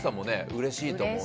うれしいと思うし。